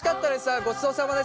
ごちそうさまです。